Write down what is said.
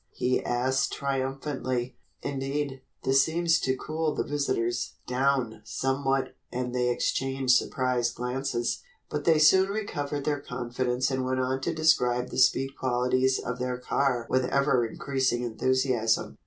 he asked triumphantly. Indeed, this seemed to cool the visitors down somewhat and they exchanged surprised glances. But they soon recovered their confidence and went on to describe the speed qualities of their car with ever increasing enthusiasm.